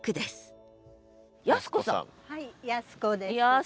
はい康子です。